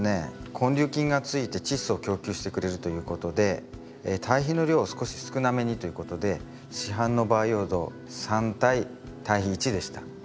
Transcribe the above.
根粒菌がついてチッ素を供給してくれるということで堆肥の量を少し少なめにということで市販の培養土３対堆肥１でした。